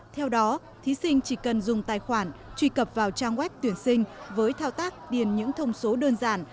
theo đó thí sinh chỉ cần dùng tài khoản truy cập vào trang web tuyển sinh với thao tác điền những thông số đơn giản